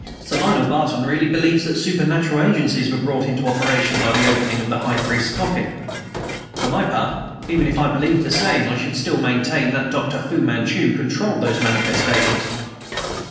"Sir Lionel Barton really believes that supernatural agencies were brought into operation by the opening of the high priest's coffin. For my part, even if I believed the same, I should still maintain that Dr. Fu Manchu controlled those manifestations.